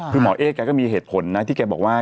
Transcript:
คือหมอเอ๊แกก็มีเหตุผลนะที่แกบอกว่า